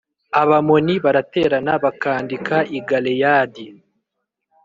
Abamoni baraterana bakandika i Galeyadi